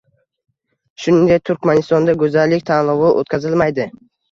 Shuningdek, Turkmanistonda go'zallik tanlovi o'tkazilmaydi